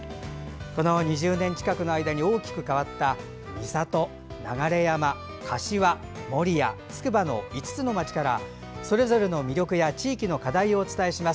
この２０年近くの間に大きく変わった三郷、流山、柏守谷、つくばの５つの町からそれぞれの魅力や地域の課題をお伝えします。